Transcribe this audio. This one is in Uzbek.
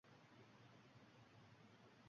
Hech qanday hurmat va obro 'yo'q edi